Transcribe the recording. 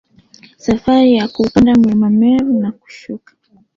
Safari ya kuupanda Mlima Meru na kushuka